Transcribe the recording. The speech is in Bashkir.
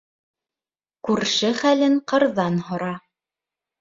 Күрше хәлен ҡырҙан һора.